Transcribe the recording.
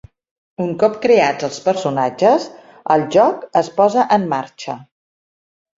Un cop creats els personatges, el joc es posa en marxa.